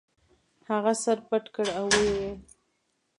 هغه سر پټ کړ او ویې ویل.